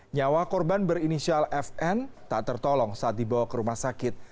nyawa korban berinisial fn tak tertolong saat dibawa ke rumah sakit